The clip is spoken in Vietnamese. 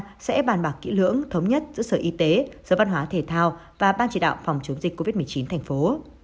tổ chức sẽ đặt bản bạc kỹ lưỡng thống nhất giữa sở y tế sở văn hóa thể thao và ban chỉ đạo phòng chống dịch covid một mươi chín thành phố